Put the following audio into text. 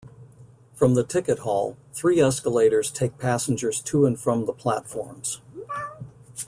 From the ticket hall, three escalators take passengers to and from the platforms.